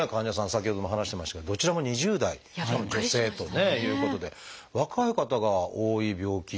先ほども話してましたけどどちらも２０代しかも女性ということで若い方が多い病気なんでしょうか？